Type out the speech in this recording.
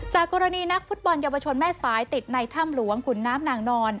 กรณีนักฟุตบอลเยาวชนแม่สายติดในถ้ำหลวงขุนน้ำนางนอน